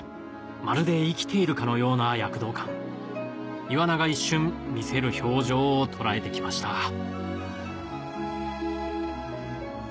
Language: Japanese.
まるで生きているかのような躍動感イワナが一瞬見せる表情を捉えて来ましただから。